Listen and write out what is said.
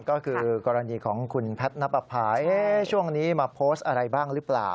ก็คือกรณีของคุณแพทย์นับประพาช่วงนี้มาโพสต์อะไรบ้างหรือเปล่า